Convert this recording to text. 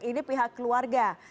ini pihak keluarga